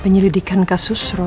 penyelidikan kasus roy jadi tertunda